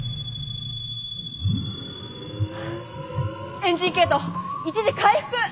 エンジン系統一時回復！